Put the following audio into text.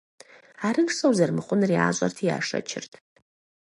Арыншэу зэрымыхъунур ящӏэрти яшэчырт.